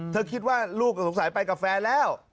เธอคิดว่าลูกสงสัยไปกาแฟแล้ว